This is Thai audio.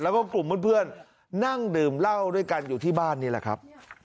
แล้วก็กลุ่มเพื่อนนั่งดื่มเหล้าด้วยกันอยู่ที่บ้านนี่แหละครับ